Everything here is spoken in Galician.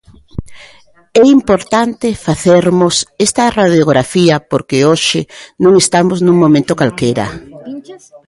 É importante facermos esta radiografía porque hoxe non estamos nun momento calquera.